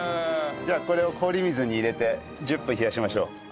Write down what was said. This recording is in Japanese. じゃあこれを氷水に入れて１０分冷やしましょう。